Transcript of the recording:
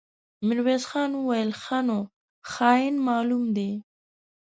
ميرويس خان وويل: ښه نو، خاين معلوم دی.